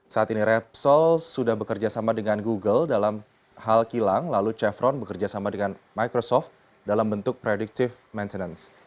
saat ini repsol sudah bekerjasama dengan google dalam hal kilang lalu chevron bekerjasama dengan microsoft dalam bentuk predictive maintenance